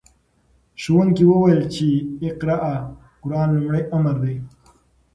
ښوونکي وویل چې اقرأ د قرآن لومړی امر دی.